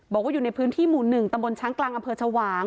บอกว่าอยู่ในพื้นที่หมู่๑ตำบลช้างกลางอชวาง